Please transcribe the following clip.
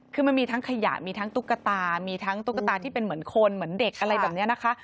คือมันมีทั้งขยะมีทั้งตุ๊กตามีทั้งตุ๊กตาที่เป็นเหมือนคนเหมือนเด็กอะไรแบบนี้นะคะ